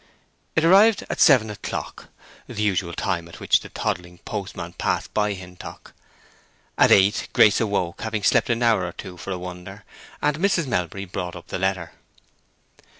It arrived at seven o'clock, the usual time at which the toddling postman passed by Hintock; at eight Grace awoke, having slept an hour or two for a wonder, and Mrs. Melbury brought up the letter.